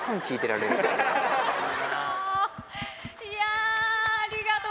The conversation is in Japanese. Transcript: いやー、ありがとう。